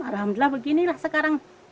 alhamdulillah beginilah sekarang